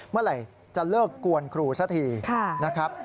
เมื่อไหร่จะเลิกกวนครูสักทีนะครับ